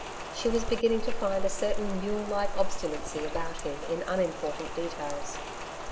She was beginning to find a certain mule like obstinacy about him in unimportant details.